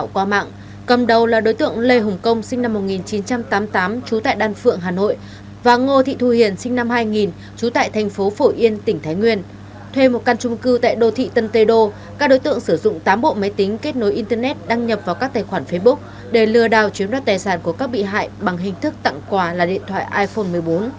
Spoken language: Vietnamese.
các đối tượng cũng nhập vào các tài khoản facebook để lừa đảo chiếm đoạt tài sản của các bị hại bằng hình thức tặng quà là điện thoại iphone một mươi bốn